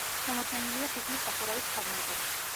შემორჩენილია ფიქლის სახურავის ფრაგმენტები.